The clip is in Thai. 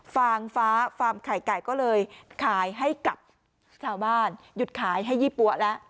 ฟางฟ้าฟาร์มไข่ไก่ก็เลยขายให้กับชาวบ้านหยุดขายให้ยี่ปั๊วแล้ว